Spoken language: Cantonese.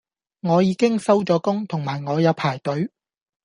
我已經收咗工同埋我有排隊